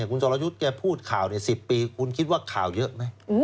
คุณสรยุทธ์แกพูดข่าว๑๐ปีคุณคิดว่าข่าวเยอะไหม